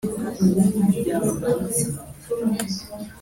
kandi uburebure bwayo bw’igihagararo bwari mikono mirongo itatu